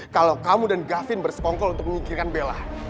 kalau kamu dan gavin bersekongkol untuk menginginkan bella